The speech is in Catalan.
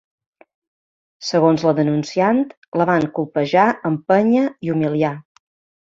Segons la denunciant, la van colpejar, empènyer i humiliar.